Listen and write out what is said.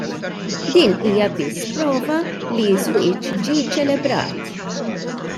Din hija biss prova li ż-żwieġ ġie ċelebrat.